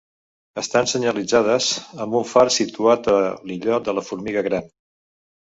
Estan senyalitzades amb un far situat a l'illot de la Formiga Gran.